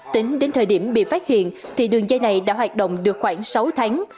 tính đến thời điểm bị phát hiện thì đường dây này đã hoạt động được khoảng sáu tháng